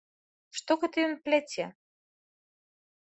Што гэта ён пляце?